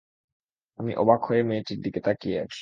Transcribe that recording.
আমি অবাক হয়ে মেয়েটির দিকে তাকিয়ে আছি।